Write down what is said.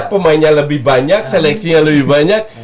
pemainnya lebih banyak seleksinya lebih banyak